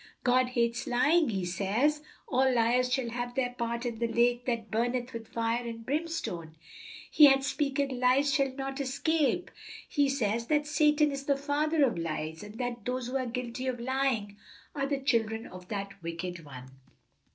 God hates lying. He says, 'All liars shall have their part in the lake that burneth with fire and brimstone.' 'He that speaketh lies shall not escape.' He says that Satan is the father of lies, and that those who are guilty of lying are the children of that wicked one.